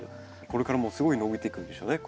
これからもすごい伸びていくんでしょうね